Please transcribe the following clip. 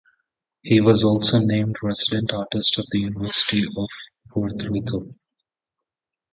He was also named resident artist of the University of Puerto Rico.